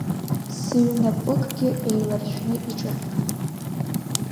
Сыҩнапыкгьы еиларшәны иҿаҳәан.